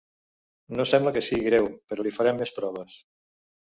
No sembla que sigui greu, però li farem més proves.